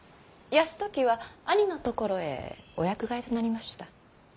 泰時は兄のところへお役替えとなりました。